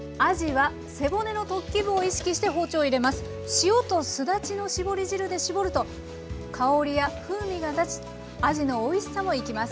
塩とすだちの搾り汁で搾ると香りや風味が立ちあじのおいしさも生きます。